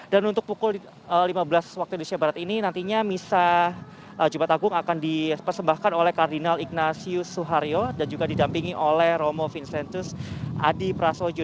dan untuk pukul lima belas waktu indonesia barat ini nantinya misal jumat agung akan dipersembahkan oleh kardinal ignacio suhario dan juga didampingi oleh romo vincentus adi prasojo